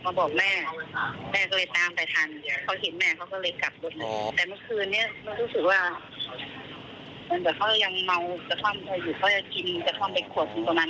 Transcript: เขาก็จะกินกระท่อมเด็กขวบคือประมาณลิฟต์นั่น